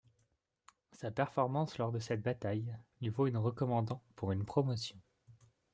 Sa performance lors de cette bataille lui vaut une recommandant pour une promotion.